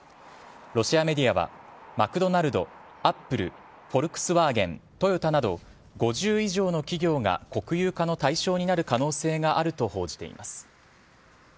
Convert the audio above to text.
ロシアメディアはマクドナルド、Ａｐｐｌｅフォルクスワーゲン、トヨタなど５０以上の企業が国有化の対象になる可能性があると報じています。